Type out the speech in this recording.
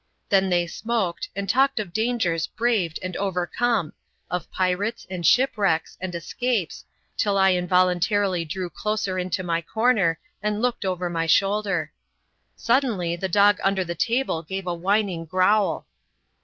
Then they smoked, and talked of dangers braved and overcome, of pirates, and shipwrecks, and escapes, till I involuntarily drew closer into my corner, and looked over my shoulder. Suddenly the dog under the table gave a whining growl.